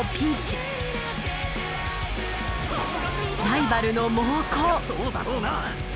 ライバルの猛攻。